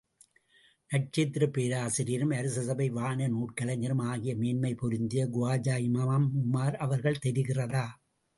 நட்சத்திரப் பேராசிரியரும், அரசசபை வான நூற்கலைஞரும் ஆகிய மேன்மை பொருந்திய குவாஜா இமாம் உமார் அவர்கள், தெரிகிறதா?